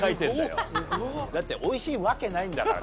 だって美味しいわけないんだから。